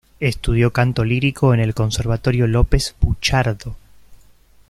Estudió canto lírico en el Conservatorio López Buchardo.